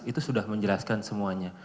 itu sudah menjelaskan semuanya